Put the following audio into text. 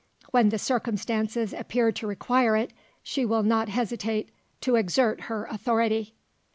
When the circumstances appear to require it, she will not hesitate to exert her authority."